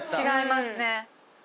違いますね。